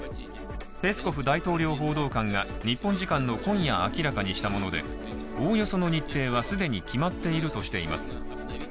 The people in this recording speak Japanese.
ペスコフ大統領報道官が日本時間の今夜明らかにしたもので、おおよその日程は既に決まっているとしています。